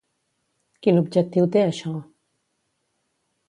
Quin objectiu té això?